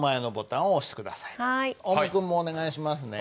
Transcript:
オウム君もお願いしますね。